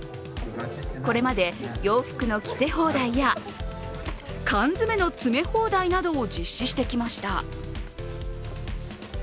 これまで洋服の着せ放題や、缶詰の詰め放題などを実施してきました。